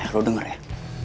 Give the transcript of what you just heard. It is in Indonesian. eh lo denger ya